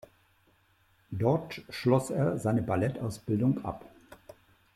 Dort schloss er seine Ballettausbildung ab.